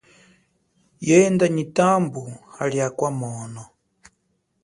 Yenda nyi tambu hali akwa mwono.